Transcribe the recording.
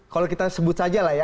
kalau kita sebut saja lah ya